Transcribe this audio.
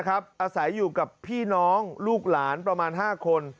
อาศัยอยู่กับพี่น้องลูกหลานประมาณ๕คน